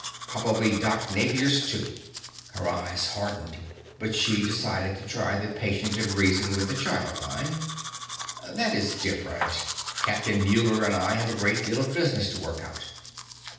Probably Doc Napier's, too!" Her eyes hardened, but she decided to try the patient and reason with the child line. "That is different. Captain Muller and I have a great deal of business to work out."